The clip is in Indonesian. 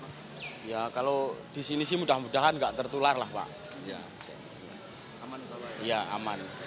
pakai masker kalau keluar jaga jarak